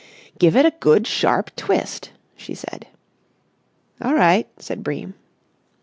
"Give it a good sharp twist," she said. "All right," said Bream.